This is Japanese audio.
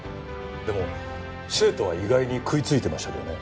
でも生徒は意外に食いついてましたけどね。